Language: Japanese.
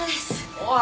おい！